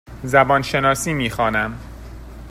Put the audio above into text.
زبان شناسی می خوانم.